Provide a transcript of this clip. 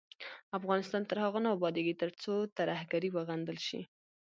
افغانستان تر هغو نه ابادیږي، ترڅو ترهګري وغندل شي.